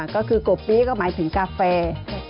ก็คือกบปี๊ก็หมายถึงกาแฟ